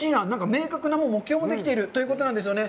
明確な目標もできているということなんですよね。